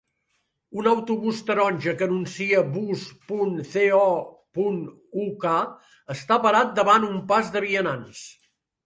Un autobús taronja que anuncia Bus.co.uk. està parat davant un pas de vianants.